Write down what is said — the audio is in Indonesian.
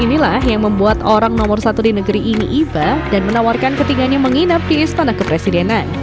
inilah yang membuat orang nomor satu di negeri ini iba dan menawarkan ketiganya menginap di istana kepresidenan